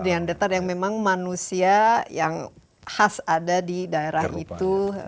dengan datar yang memang manusia yang khas ada di daerah itu